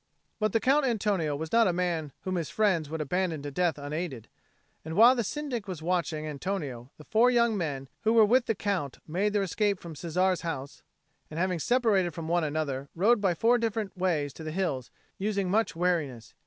But the Count Antonio was not a man whom his friends would abandon to death unaided; and while the Syndic was watching Antonio, the four young men who were with the Count made their escape from Cesare's house; and, having separated from one another, rode by four different ways towards the hills, using much wariness.